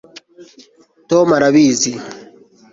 tom arabizi